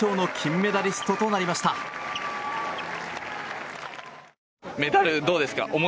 メダル、どうですか。